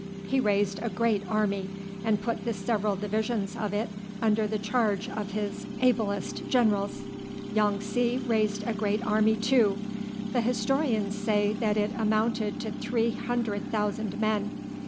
He raised a great army, and put the several divisions of it under the charge of his ablest generals. Yong tsi raised a great army too. The historians say that it amounted to three hundred thousand men.